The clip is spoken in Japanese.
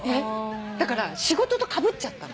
だから仕事とかぶっちゃったの。